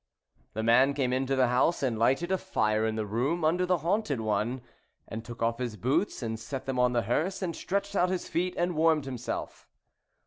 The man came into the house and lighted a fire in the room under the haunted one, and took off his boots and set them on the hearth, and stretched out his feet and warmed himself.